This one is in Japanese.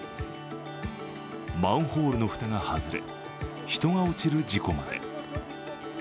マンホールの蓋が外れ人が落ちる事故まで。